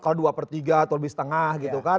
kalau dua per tiga atau lebih setengah gitu kan